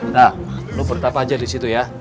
nah lo bertapa aja di situ ya